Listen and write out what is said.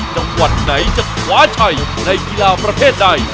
จังหวัดไหนจังหวัดใช่ในกีฬาประเทศใด